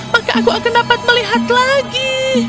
maka aku akan dapat melihat lagi